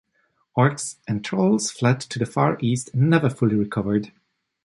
Orcs and Trolls fled to the far east, and never fully recovered.